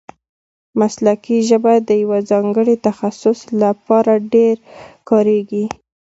مسلکي ژبه د یوه ځانګړي تخصص له پاره ډېره کاریږي.